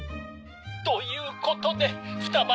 「ということでふたば